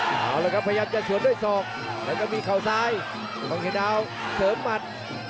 เอาละครับพยายามจะสวนด้วยศอกแล้วก็มีเข่าซ้ายของเขตดาวเสริมหมัด